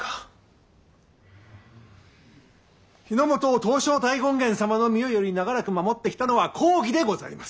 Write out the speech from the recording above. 日の本を東照大権現様の御代より長らく守ってきたのは公儀でございます。